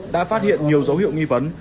đã phát hiện nhiều dấu hiệu nghi vấn